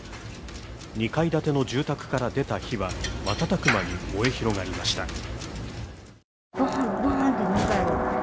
２階建ての住宅から出た火は瞬く間に燃え広がりました。